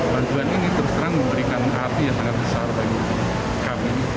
bantuan ini terserang memberikan arti yang sangat besar bagi kami